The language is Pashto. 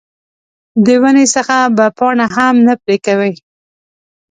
د ونې څخه به پاڼه هم نه پرې کوې.